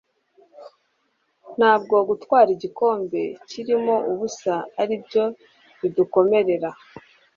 ntabwo gutwara igikombe kirimo ubusa ari byo bidukomerera